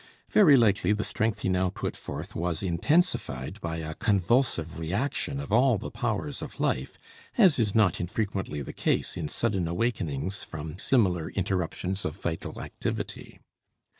Very likely the strength he now put forth was intensified by a convulsive reaction of all the powers of life, as is not infrequently the case in sudden awakenings from similar interruptions of vital activity.